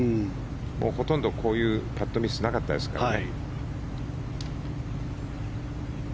ほとんど、こういうパットミスなかったですからね。